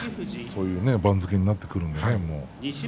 そういう番付になってきましたね。